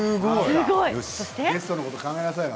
ゲストのこと考えなさいよ